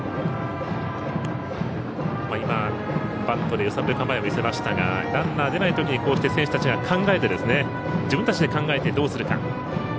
バントで揺さぶる構えを見せましたがランナー出ないときに選手たちが自分たちで考えてどうするか。